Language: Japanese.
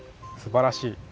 すばらしい。